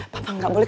papa gak boleh